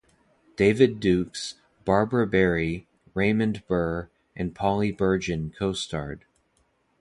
David Dukes, Barbara Barrie, Raymond Burr, and Polly Bergen co-starred.